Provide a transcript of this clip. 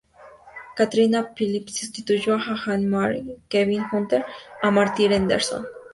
Katrina Phillips sustituyó a Anne-Marie Hurst y Kevin Hunter, a Martin Henderson.